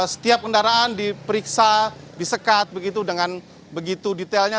setiap kendaraan diperiksa disekat begitu dengan begitu detailnya